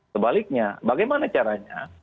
sebaliknya bagaimana caranya